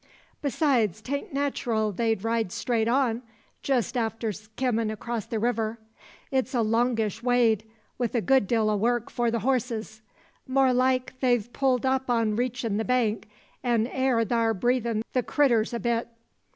Besides 'tain't nat'ral they'd ride strait on, jest arter kimmin' acrosst the river. It's a longish wade, wi' a good deal o' work for the horses. More like they've pulled up on reachin' the bank, an' air thar breathin' the critters a bit."